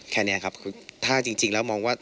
แค่นี้ครับคือถ้าจริงแล้วมองว่า